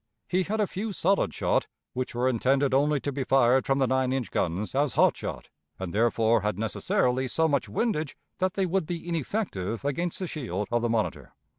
He had a few solid shot, which were intended only to be fired from the nine inch guns as hot shot, and therefore had necessarily so much windage that they would be ineffective against the shield of the Monitor.